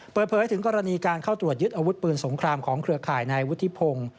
เปิดเผยถึงกรณีการเข้าตรวจยึดอาวุธปืนสงครามของเครือข่ายนายวุฒิพงศ์